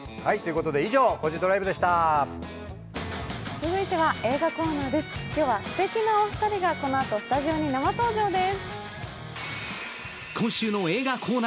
続いては、映画コーナーです今日は素敵なお二人がこのあとスタジオに生登場です。